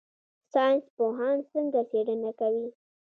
ساینس پوهان څنګه څیړنه کوي؟